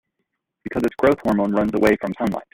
Because its growth hormone runs away from sunlight.